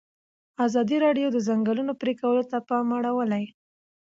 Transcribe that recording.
ازادي راډیو د د ځنګلونو پرېکول ته پام اړولی.